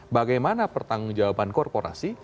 bagaimana pertanggung jawaban korporasi